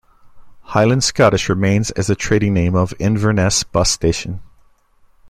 Highland Scottish remains as the trading name of Inverness bus station.